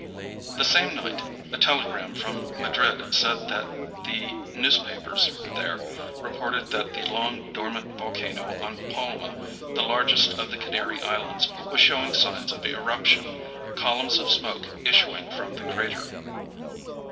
The same night a telegram from Madrid said that the newspapers there reported that the long dormant volcano on Palma, the largest of the Canary Islands, was showing signs of eruption, columns of smoke issuing from the crater.